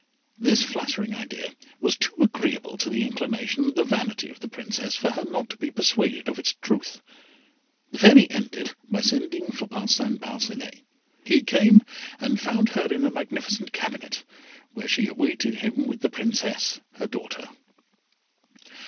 This flattering idea was too agreeable to the inclination and the vanity of the Princess for her not to be persuaded of its truth. The Fairy ended by sending for Parcin Parcinet. He came, and found her in a magnificent cabinet, where she awaited him with the Princess, her daughter.